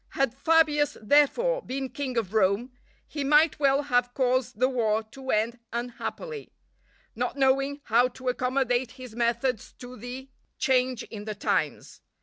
Had Fabius, therefore, been King of Rome, he might well have caused the war to end unhappily, not knowing how to accommodate his methods to the change in the times.